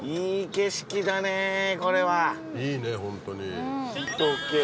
いいねホントに。